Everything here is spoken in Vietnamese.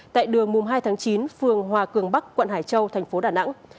tại đường mùng hai tháng chín phường hòa cường bắc quận hải châu thành phố đà nẵng